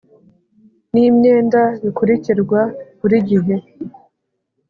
N imyenda bikurikirwa buri gihe